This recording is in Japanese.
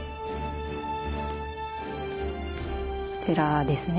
こちらですね